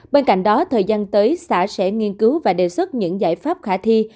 bên cạnh đó thời gian tới xã sẽ nghiên cứu và đề xuất những giải pháp khả thi